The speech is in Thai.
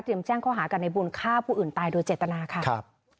เตรียมแจ้งเข้าหากันในบุญค่าผู้อื่นตายโดยเจตนาค่ะ